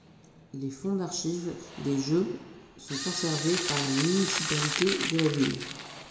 Les fonds d'archives des Jeux sont conservés par la municipalité de la ville.